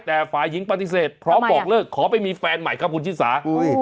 แต่ฝ่ายหญิงปฏิเสธพร้อมบอกเลิกขอไปมีแฟนใหม่ครับคุณชิสา